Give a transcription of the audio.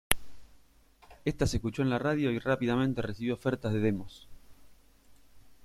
Esta se escuchó en la radio y rápidamente recibió ofertas de demos.